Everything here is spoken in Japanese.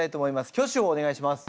挙手をお願いします。